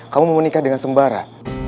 kamu mau menikah dengan sembara